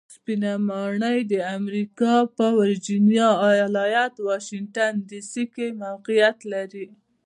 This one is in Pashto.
سپینه ماڼۍ د امریکا په ویرجینیا ایالت واشنګټن ډي سي کې موقیعت لري.